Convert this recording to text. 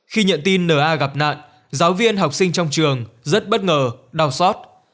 khi nhận tin n a gặp nạn giáo viên học sinh trong trường rất bất ngờ đau xót